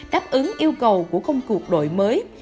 đáp ứng yêu cầu của công cuộc đội mới